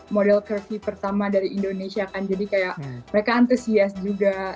model curfee pertama dari indonesia kan jadi kayak mereka antusias juga